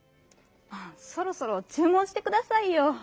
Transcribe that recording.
そろそろちゅう文してくださいよ。